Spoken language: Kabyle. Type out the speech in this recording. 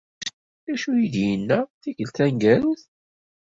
D acu d-yenna tikelt taneggarut?